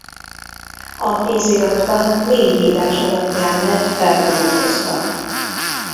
A kéziratban négy írás alapján lett feldolgozva.